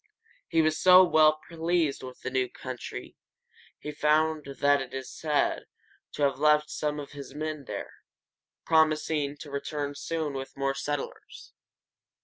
He was so well pleased with the new country he found that he is said to have left some of his men there, promising to return soon with more settlers.